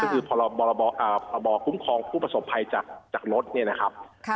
ก็คือพรบคุ้มครองผู้ประสบภัยจากรถเนี่ยนะครับ